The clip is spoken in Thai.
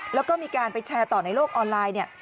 แล้วก็มีการไปแชร์ต่อในโลกออนไลน์เนี่ย